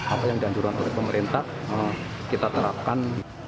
apa yang dianjurkan oleh pemerintah kita terapkan